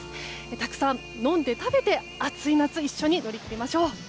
たくさん飲んで食べて暑い夏一緒に乗り切りましょう。